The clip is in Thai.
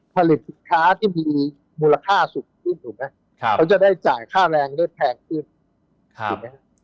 ผลิตขาที่มีมูลค่าสุขขึ้นถูกไหมเขาจะได้จ่ายค่าแรงได้แพงขึ้น